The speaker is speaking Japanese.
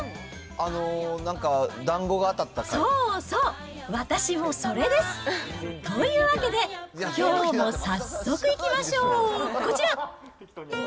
あのー、そうそう、私もそれです！というわけで、きょうも早速いきましょう、こちら！